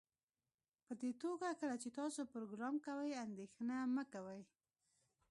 پدې توګه کله چې تاسو پروګرام کوئ اندیښنه مه کوئ